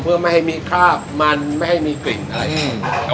เพื่อไม่ให้มีคราบมันไม่ให้มีกลิ่นอะไรอืม